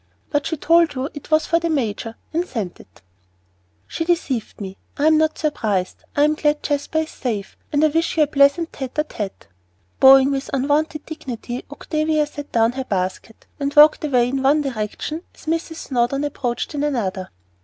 "But she told you it was for the major, and sent it." "She deceived me; I am not surprised. I am glad Jasper is safe, and I wish you a pleasant tête à tête." Bowing with unwonted dignity, Octavia set down her basket, and walked away in one direction as Mrs. Snowdon approached in another.